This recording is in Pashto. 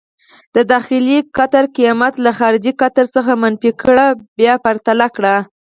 د داخلي قطر قېمت له خارجي قطر څخه منفي کړئ، بیا پرتله یې کړئ.